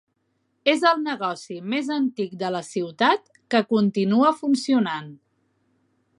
És el negoci més antic de la ciutat que continua funcionant.